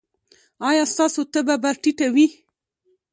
ایا ستاسو تبه به ټیټه وي؟